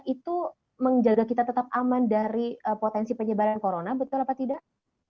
itu menjaga kita tetap aman dari potensi penyebaran corona betul apa tidak